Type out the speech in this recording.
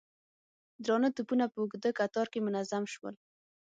درانه توپونه په اوږده کتار کې منظم شول.